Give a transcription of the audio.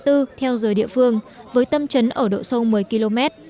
theo giờ địa phương với tâm trấn ở độ sâu một mươi km